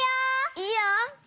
いいよ！